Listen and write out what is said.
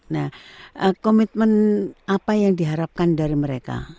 nah komitmen apa yang diharapkan dari mereka